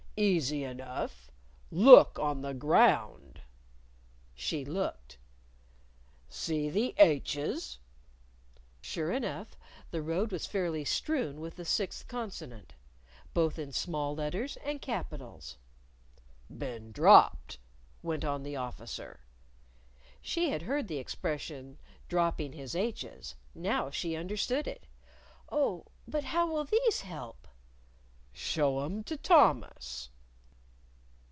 "Easy enough. Look on the ground." She looked. "See the h's?" Sure enough, the road was fairly strewn with the sixth consonant! both in small letters and capitals. "Been dropped," went on the Officer. She had heard the expression "dropping his h's." Now she understood it. "Oh, but how'll these help?" "Show 'em to Thomas!"